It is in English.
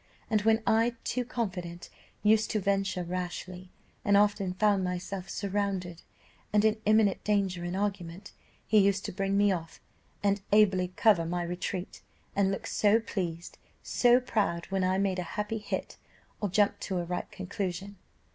And when I, too confident, used to venture rashly, and often found myself surrounded, and in imminent danger in argument, he used to bring me off and ably cover my retreat, and looked so pleased, so proud, when I made a happy hit, or jumped to a right conclusion.